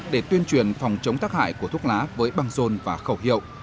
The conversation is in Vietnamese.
để tuyên truyền phòng chống tác hại của thuốc lá với băng rôn và khẩu hiệu